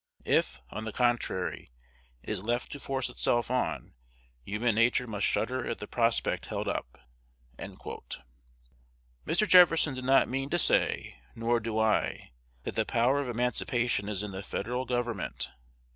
If, on the contrary, it is left to force itself on, human nature must shudder at the prospect held up." Mr. Jefferson did not mean to say, nor do I, that the power of emancipation is in the Federal Government.